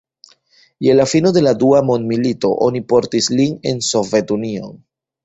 Je la fino de la dua mondmilito oni portis lin en Sovetunion.